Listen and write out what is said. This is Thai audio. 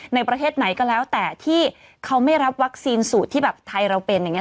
ในประเทศไหนก็แล้วแต่ที่เขาไม่รับวัคซีนสูตรที่แบบไทยเราเป็นอย่างนี้